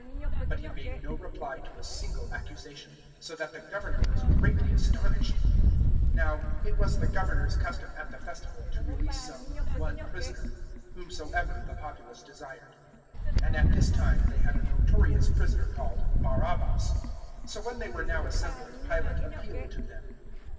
027:014 But He made no reply to a single accusation, so that the Governor was greatly astonished. 027:015 "Now it was the Governor's custom at the Festival to release some one prisoner, whomsoever the populace desired; 027:016 and at this time they had a notorious prisoner called Barabbas. 027:017 So when they were now assembled Pilate appealed to them.